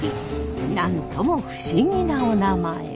なんとも不思議なおなまえ。